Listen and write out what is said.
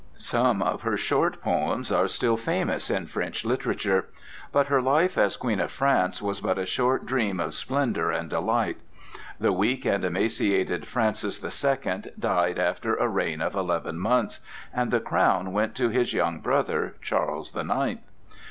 Some of her short poems are still famous in French literature. But her life as Queen of France was but a short dream of splendor and delight. The weak and emaciated Francis the Second died after a reign of eleven months, and the crown went to his young brother, Charles the Ninth.